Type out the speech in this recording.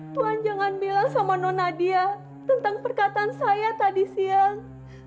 tuhan jangan bilang sama nona dia tentang perkataan saya tadi siang